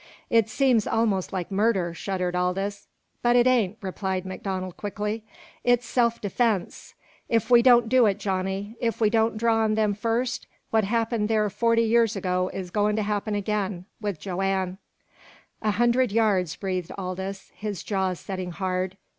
"It seems almost like murder," shuddered Aldous. "But it ain't,'" replied MacDonald quickly. "It's self defence! If we don't do it, Johnny if we don't draw on them first, what happened there forty years ago is goin' to happen again with Joanne!" "A hundred yards," breathed Aldous, his jaws setting hard.